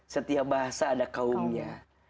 setiap bahasa ada kaumnya